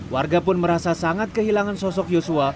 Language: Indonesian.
warga pun merasa sangat kehilangan sosok yosua